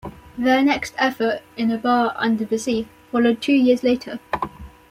Their next effort "In a Bar, Under the Sea" followed two years later.